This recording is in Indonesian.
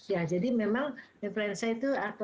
ya jadi memang influenza itu tetap ada ya